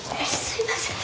すいません。